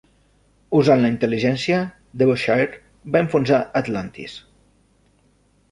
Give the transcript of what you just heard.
Usant la intel·ligència, "Devonshire" va enfonsar "Atlantis".